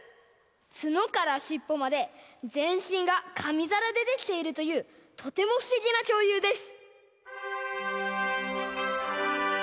つのからしっぽまでぜんしんがかみざらでできているというとてもふしぎなきょうりゅうです。